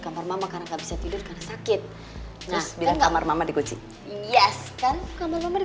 kamar mama karena kak bisa tidur sakit enggak kamu mama di kunci iash karena kamar kamar di